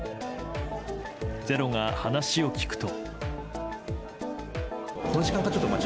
「ｚｅｒｏ」が話を聞くと。